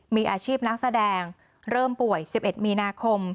มีอาชีพนักแสดงเริ่มป่วย๑๑มีนาคม